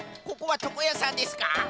ここはとこやさんですか？